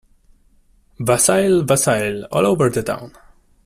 Wassail, wassail all over the town.